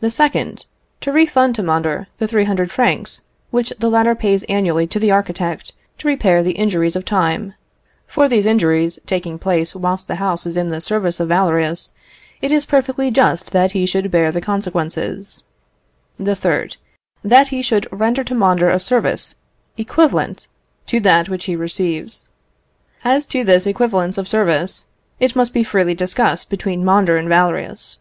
The second, to refund to Mondor the 300 francs which the latter pays annually to the architect to repair the injuries of time; for these injuries taking place whilst the house is in the service of Valerius, it is perfectly just that he should bear the consequences. The third, that he should render to Mondor a service equivalent to that which he receives. As to this equivalence of services, it must be freely discussed between Mondor and Valerius.